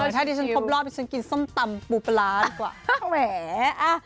ถ้าดีชั้นคบรอบกินชมตำปูปรานกว่า